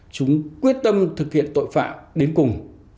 chúng quyết tâm thực hiện tội phạm đến cùng